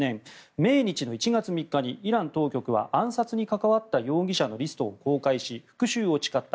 命日の１月３日にイラン当局は暗殺に関わった容疑者のリストを公開し復しゅうを誓った。